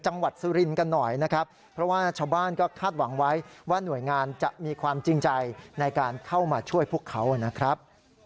จังหวัดสุรินกันหน่อยนะครับ